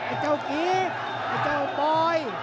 ไอ้เจ้ากีไอ้เจ้าบอย